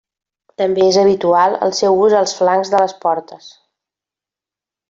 També és habitual el seu ús als flancs de les portes.